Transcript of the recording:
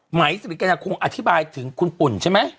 หมายสถิตย์กรรมคุมอธิบายถึงคุณปุ่นใช่ไหม